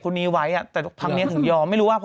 ผู้จัดการโตอ้วนใครวะ